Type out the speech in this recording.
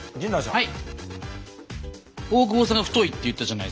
はい！